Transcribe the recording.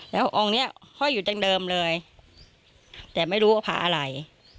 แล้วองค์นี้ห้อยอยู่ตรงเดิมเลยแต่ไม่รู้ว่าผาอะไร